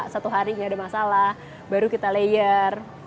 satu hari nggak ada masalah baru kita layer